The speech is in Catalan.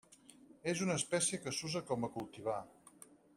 És una espècie que s'usa com a cultivar.